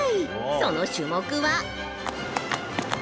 その種目は。